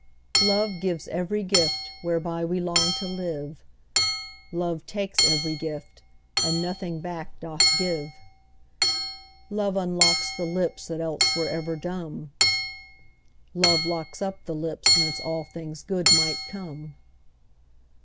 Love gives every gift whereby we long to live "Love takes every gift, and nothing back doth give." Love unlocks the lips that else were ever dumb: "Love locks up the lips whence all things good might come."